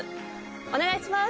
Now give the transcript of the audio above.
お願いします